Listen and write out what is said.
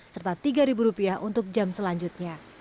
serta rp tiga untuk jam selanjutnya